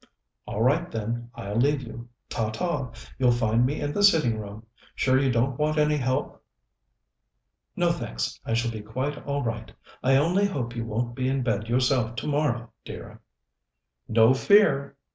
"All right, then, I'll leave you. Ta ta! You'll find me in the sitting room. Sure you don't want any help?" "No, thanks. I shall be quite all right. I only hope you won't be in bed yourself tomorrow, dear." "No fear!"